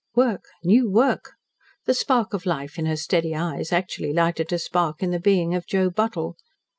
Work! New work! The spark of life in her steady eyes actually lighted a spark in the being of Joe Buttle.